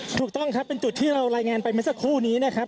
ถูกต้องครับเป็นจุดที่เรารายงานไปเมื่อสักครู่นี้นะครับ